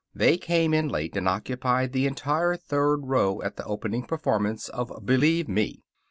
They came in late, and occupied the entire third row at the opening performance of Believe Me!